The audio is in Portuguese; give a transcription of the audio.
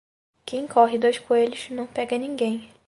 Quem corre dois coelhos não pega ninguém.